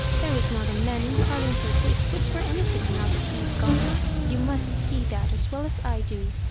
There is not a man in Car lingford who is good for anything, now that he is gone. You must see that as well as I do.